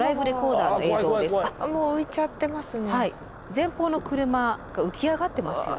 前方の車が浮き上がってますよね。